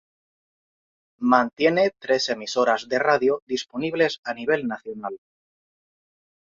Mantiene tres emisoras de radio disponibles a nivel nacional.